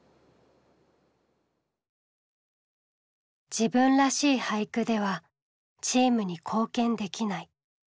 自分らしい俳句ではチームに貢献できない。